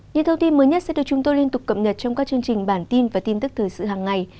những thông tin mới nhất sẽ được chúng tôi liên tục cập nhật trong các chương trình bản tin và tin tức thời sự hàng ngày